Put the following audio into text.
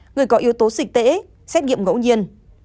người có yếu tố dịch tễ xét nghiệm ngẫu nhiên